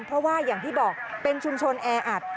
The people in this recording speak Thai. เพราะว่าอย่างที่บอกเป็นชุมชนแออัด